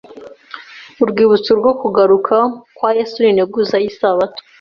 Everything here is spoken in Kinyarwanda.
Urwibutso rwo kugaruka kwa Yesu n’Integuza y’Isabato.